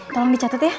tolong dicatat ya